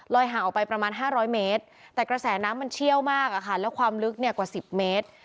ห่างออกไปประมาณ๕๐๐เมตรแต่กระแสน้ำมันเชี่ยวมากอะค่ะแล้วความลึกเนี่ยกว่า๑๐เมตร